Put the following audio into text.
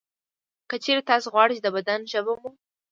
که چېرې تاسې غواړئ چې د بدن ژبه مو